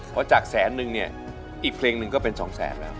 เพราะจากแสนหนึ่งเนี่ยอีกเครงหนึ่งก็เป็น๒๐๐๐๐๐แล้ว